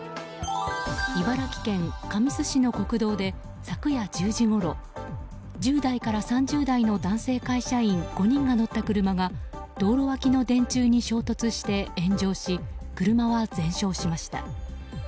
茨城県神栖市の国道で昨夜１０時ごろ１０代から３０代の男性会社員５人が乗った車が道路脇の電柱に衝突して炎上し車は全焼しました。